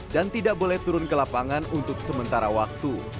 dan tidak boleh turun ke lapangan untuk sementara waktu